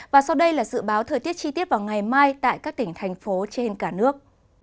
và sau đây là dự báo thời tiết chi tiết vào ngày mai tại các tỉnh thành phố trên cả nước